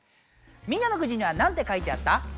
みんなのくじにはなんて書いてあった？